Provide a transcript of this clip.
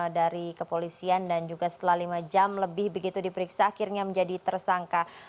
dari kepolisian dan juga setelah lima jam lebih begitu diperiksa akhirnya menjadi tersangka